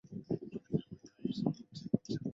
属邕州羁縻。